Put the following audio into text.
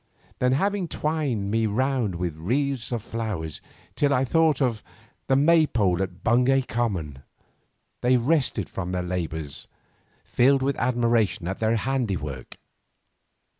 Then having twined me round with wreaths of flowers till I thought of the maypole on Bungay Common, they rested from their labours, filled with admiration at their handiwork.